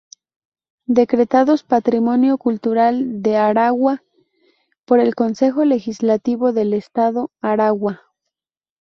Decretados Patrimonio Cultural de Aragua por el Consejo Legislativo del Estado Aragua.